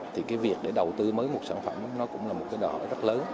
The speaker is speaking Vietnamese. thì cái việc để đầu tư mới một sản phẩm nó cũng là một cái đòi rất lớn